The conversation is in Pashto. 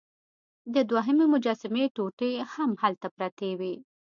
د دوهمې مجسمې ټوټې هم هلته پرتې وې.